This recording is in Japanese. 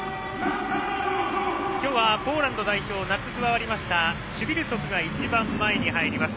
今日はポーランド代表夏、加わったシュヴィルツォクが一番前に入ります。